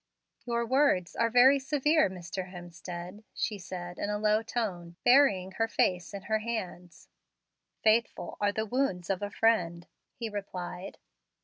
"Your words are very severe, Mr. Hemstead," she said in a low tone, burying her face in her hands. "Faithful are the wounds of a friend," he replied.